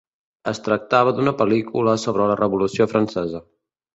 Es tractava d'una pel·lícula sobre la revolució Francesa.